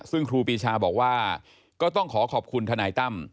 ซึ่งครูปีชาบอกว่าก็ต้องขอขอบคุณทนายตั้ม